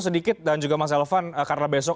sedikit dan juga mas elvan karena besok